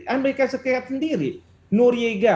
amerika serikat sendiri nur yiga